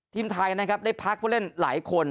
ทีมไทยได้พักเพื่อเล่นหลายคน